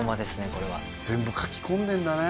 これは全部書き込んでんだね